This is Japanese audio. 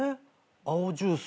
青ジュース。